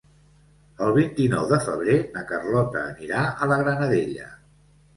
El vint-i-nou de febrer na Carlota anirà a la Granadella.